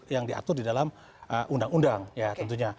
yang diatur di dalam undang undang ya tentunya